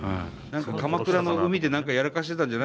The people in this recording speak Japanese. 鎌倉の海でなんか、やらかしてたんじゃ？